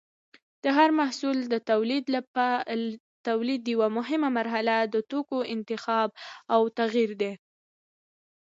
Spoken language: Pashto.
د هر محصول د تولید یوه مهمه مرحله د توکو انتخاب او تغیر دی.